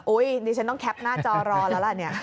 นี่ฉันต้องแคปหน้าจอรอแล้วล่ะเนี่ย